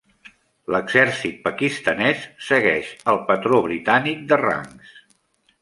L'exèrcit pakistanès segueix el patró britànic de rangs.